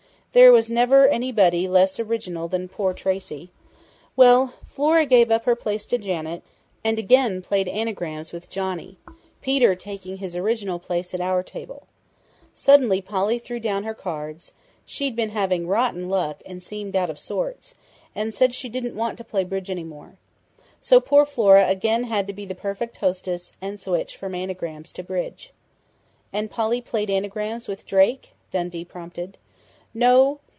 There was never anybody less original than poor Tracey.... Well, Flora gave up her place to Janet, and again played anagrams with Johnny, Peter taking his original place at our table. Suddenly Polly threw down her cards she'd been having rotten luck and seemed out of sorts and said she didn't want to play bridge any more. So poor Flora again had to be the perfect hostess, and switch from anagrams to bridge." "And Polly played anagrams with Drake?" Dundee prompted. "No.